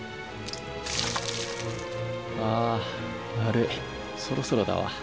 ああ悪いそろそろだわ。